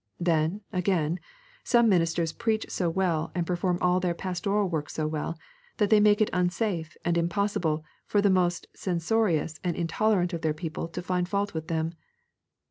Then, again, some ministers preach so well, and perform all their pastoral work so well, that they make it unsafe and impossible for the most censorious and intolerant of their people to find fault with them.